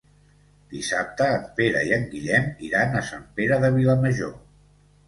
Dissabte en Pere i en Guillem iran a Sant Pere de Vilamajor.